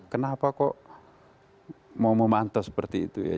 kenapa kok mau memantau seperti itu ya